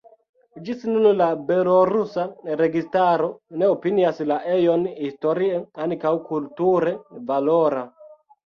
Ĝis nun la belorusa registaro ne opinias la ejon historie aŭ kulture valora.